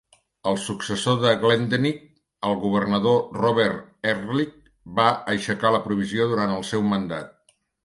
El successor de Glendening, el governador Robert Ehrlich, va aixecar la prohibició durant el seu mandat.